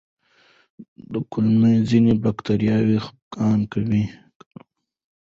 د کولمو ځینې بکتریاوې خپګان کموي.